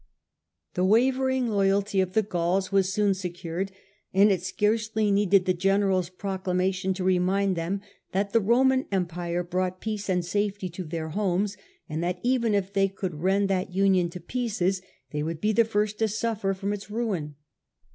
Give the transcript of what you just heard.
The wa /ering loyalty of the Gauls was soon secured, and it scarcely needed the general's proclamation to re mind them that the Roman Empire brought and speedy peace and safety to their homes, and that even failure, it they could rend that union to pieces they would be the first to suffer from its ruin.